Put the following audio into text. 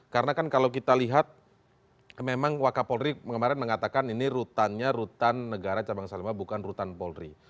karena kan kalau kita lihat memang waka polri kemarin mengatakan ini rutan negara cabang salimah bukan rutan polri